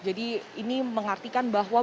jadi ini mengartikan bahwa